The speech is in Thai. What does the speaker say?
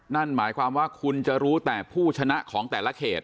นั่นหมายความว่าคุณจะรู้แต่ผู้ชนะของแต่ละเขต